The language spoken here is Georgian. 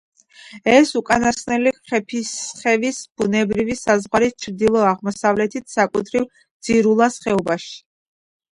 ეს უკანასკნელი ხეფინისხევის ბუნებრივი საზღვარი ჩრდილო-აღმოსავლეთით, საკუთრივ ძირულას ხეობაში.